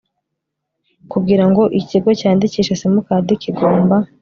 kugira ngo ikigo cyandikishe simukadi kigomba